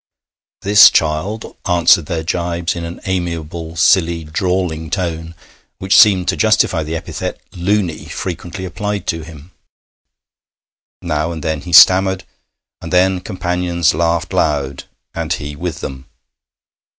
This child answered their jibes in an amiable, silly, drawling tone which seemed to justify the epithet 'Loony,' frequently applied to him. Now and then he stammered; and then companions laughed loud, and he with them.